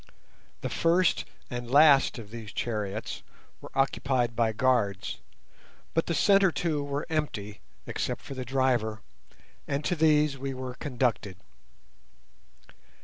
The first and last of these chariots were occupied by guards, but the centre two were empty, except for the driver, and to these we were conducted.